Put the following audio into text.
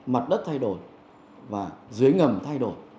mặt đất thay đổi và dưới ngầm thay đổi